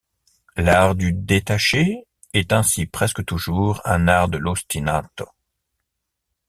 L'art du détaché est ainsi presque toujours un art de l'ostinato.